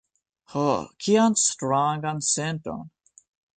Ho, kian strangan senton!